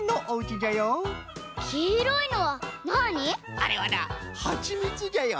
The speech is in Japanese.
あれはなはちみつじゃよ。